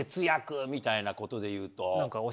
みたいなことでいうと。